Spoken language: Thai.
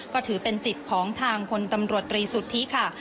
ก็ถือเป็นสิทธิ์ของทางพลตำรวจตรีสุทธิค่ะ